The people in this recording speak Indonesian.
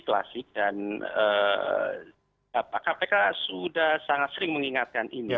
klasik dan kpk sudah sangat sering mengingatkan ini